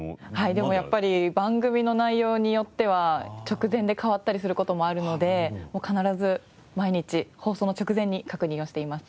でもやっぱり番組の内容によっては直前で変わったりする事もあるので必ず毎日放送の直前に確認をしています。